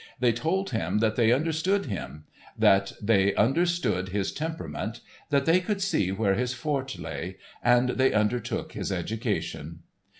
They told him that they understood him; that they under stood his temperament; that they could see where his forte lay; and they undertook his education.